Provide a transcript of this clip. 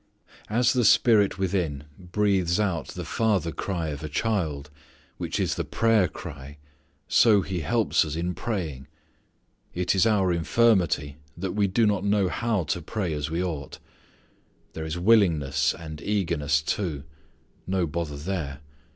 As the Spirit within breathes out the "Father" cry of a child, which is the prayer cry, so He helps us in praying. It is our infirmity that we do not know how to pray as we ought. There is willingness and eagerness too. No bother there.